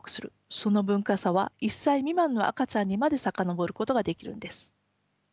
その文化差は１歳未満の赤ちゃんにまで遡ることができるんです。